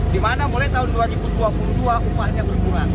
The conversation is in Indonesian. dimana mulai tahun dua ribu dua puluh dua upahnya berkurang